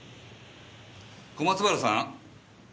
小松原さん。